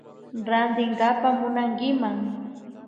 Rantinkapa munankiman